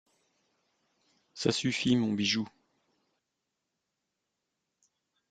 Ça suffit, mon bijou.